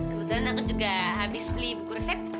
kebetulan anak juga habis beli buku resep